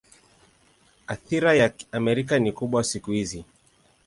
Athira ya Amerika ni kubwa siku hizi.